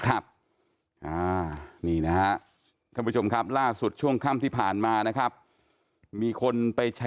ท่านผู้ชมครับล่าสุดช่วงค่ำที่ผ่านมา